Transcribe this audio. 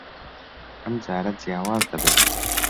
ئەم جارە جیاواز دەبێت.